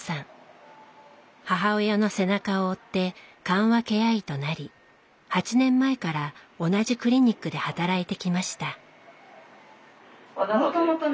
母親の背中を追って緩和ケア医となり８年前から同じクリニックで働いてきました。